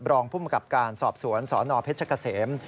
บรองพุ่มกับการสอบสวนสนเพชรกะเสม